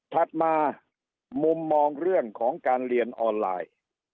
ถัดมามุมมองเรื่องของการเรียนออนไลน์